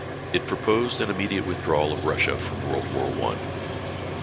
It proposed an immediate withdrawal of Russia from World War One.